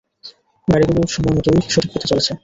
গাড়িগুলো সময়মতই সঠিক পথে চলেছে।